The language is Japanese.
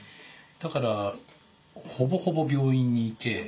だからほぼほぼ病院にいて。